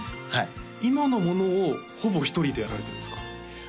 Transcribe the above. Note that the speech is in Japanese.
今のものをほぼ一人でやられてるんですか？